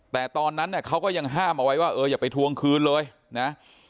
แต่ตอนนั้นเขาก็ยังห้ามเอาไว้ว่าเอออย่าไปทวงคืนเลยนะ